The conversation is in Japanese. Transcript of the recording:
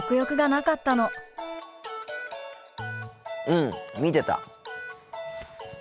うん見てた。